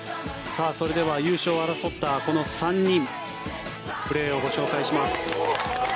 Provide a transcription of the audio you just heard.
それでは優勝を争ったこの３人プレーをご紹介します。